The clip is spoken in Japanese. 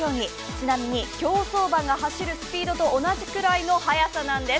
ちなみに競走馬が走るスピードと同じぐらいの速さなんです。